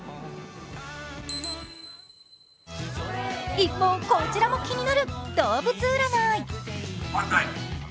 一方、こちらも気になる動物占い。